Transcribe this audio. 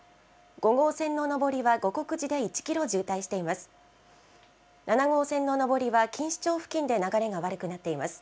５号線の上りはごこくじで１キロ渋滞しています。